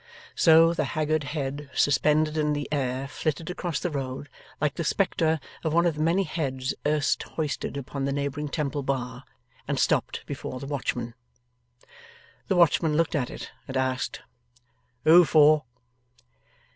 So, the haggard head suspended in the air flitted across the road, like the spectre of one of the many heads erst hoisted upon neighbouring Temple Bar, and stopped before the watchman. The watchman looked at it, and asked: 'Who for?